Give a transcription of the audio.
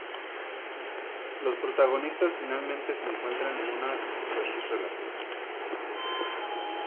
Los protagonistas finalmente se encuentran en una feliz relación.